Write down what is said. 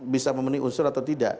bisa memenuhi unsur atau tidak